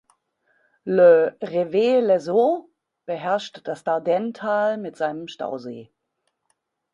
Le Revest-les-Eaux beherrscht das Dardennes-Tal mit seinem Stausee.